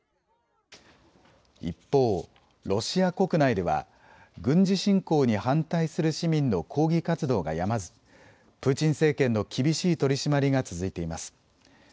一方、ロシア国内では軍事侵攻に反対する市民の抗議活動がやまずプーチン政権の厳しい取締りが続いています。